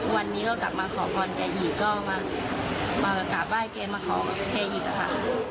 วันนี้ก็กลับมาขอบคลอนแก่อีกก็กลับไปบ้านเกมมาขอกับเฮ้ออีกอ่ะค่ะ